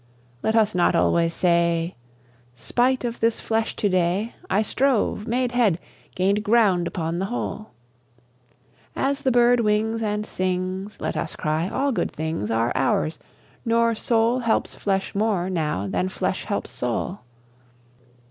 Let us not always say, "Spite of this flesh to day I strove, made head, gained ground upon the whole!" As the bird wings and sings, Let us cry, "All good things Are ours, nor soul helps flesh more, now, than flesh helps soul!"